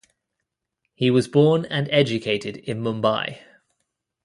He was born and educated in Mumbai.